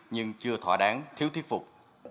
nhưng chưa thỏa đáng thiếu thuyết phục